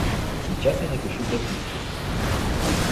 Сейчас я напишу записку.